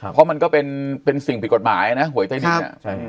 เพราะมันก็เป็นสิ่งผิดกฎหมายนะหวยใต้ดิน